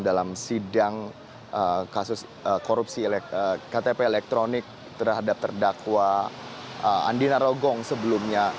dalam sidang kasus korupsi ktp elektronik terhadap terdakwa andi narogong sebelumnya